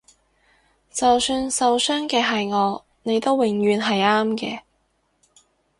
就算受傷嘅係我你都永遠係啱嘅